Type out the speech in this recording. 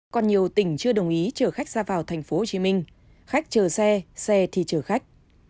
còn nhiều tỉnh chưa đồng ý chở khách ra vào tp hcm khách chờ xe xe thì chở khách